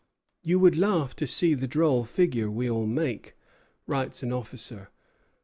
"You would laugh to see the droll figure we all make," writes an officer.